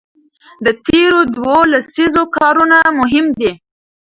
د تېرو دوو لسیزو کارونه مهم دي.